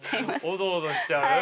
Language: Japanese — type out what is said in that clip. おどおどしちゃう。